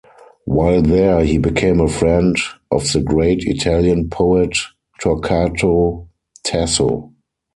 While there he became a friend of the great Italian poet Torquato Tasso.